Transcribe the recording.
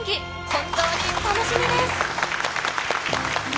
本当に楽しみです。